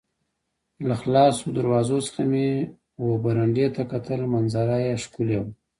له خلاصو دروازو څخه مې وه برنډې ته کتل، منظره یې ښکلې وه.